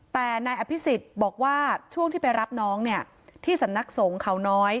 แต่นายอภิษฎบอกว่าช่วงที่ไปรับน้องเนี่ยที่สำนักสงฆ์เขาน้อย